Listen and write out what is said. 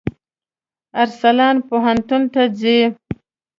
ارسلان پوهنتون ته ځي.